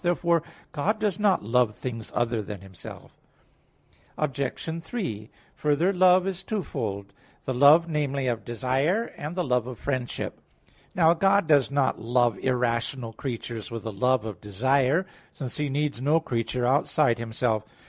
Therefore God does not love things other than Himself. Obj. 3: Further, love is twofold the love, namely, of desire, and the love of friendship. Now God does not love irrational creatures with the love of desire, since He needs no creature outside Himself.